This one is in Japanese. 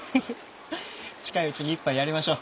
近いうちに一杯やりましょう。